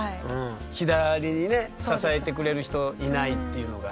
左にね支えてくれる人いないっていうのが。